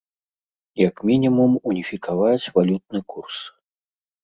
Як мінімум уніфікаваць валютны курс.